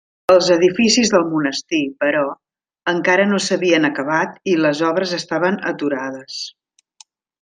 Els edificis del monestir, però, encara no s'havien acabat i les obres estaven aturades.